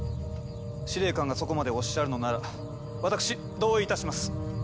司令官がそこまでおっしゃるのなら私同意いたします。